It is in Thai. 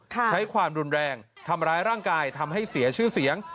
ใช้ความรุนแรงทำร้ายร่างกายทำให้เสียชื่อเสียง